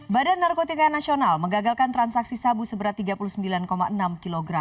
badan narkotika nasional mengagalkan transaksi sabu seberat tiga puluh sembilan enam kg